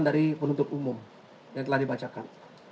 dari penuntut umum yang telah dibacakan